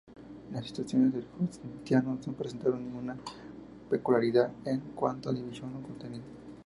Las Instituciones de Justiniano no presentaron ninguna peculiaridad en cuanto a división o contenido.